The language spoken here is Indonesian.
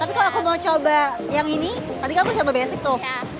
tapi kalau aku mau coba yang ini tadi kamu coba basic tuh